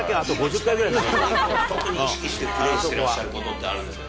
今、自分で特に意識してプレーしてらっしゃることってあるんですか。